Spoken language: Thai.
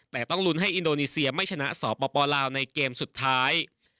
แต่ต้องลุ้นให้อินโดนีเซียไม่ชนะสปลาวในเกมสุดท้าย